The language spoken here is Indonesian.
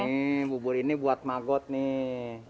ini bubur ini buat magot nih